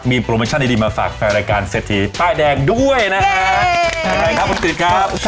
มีโปรโมชั่นดีมาฝากแฟนรายการเศรษฐีป้ายแดงด้วยนะครับ